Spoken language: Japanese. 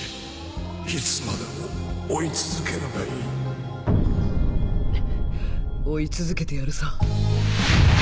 いつまでも追い続けるがいい追い続けてやるさ！